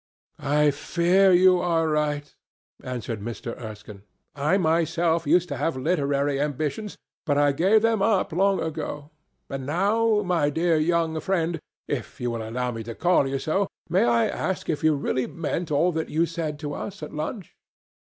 "I fear you are right," answered Mr. Erskine. "I myself used to have literary ambitions, but I gave them up long ago. And now, my dear young friend, if you will allow me to call you so, may I ask if you really meant all that you said to us at lunch?"